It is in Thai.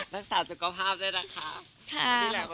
รักษาสุขภาพได้นะครับ